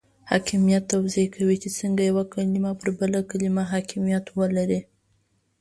حاکمیت توضیح کوي چې څنګه یوه کلمه پر بله کلمه حاکمیت ولري.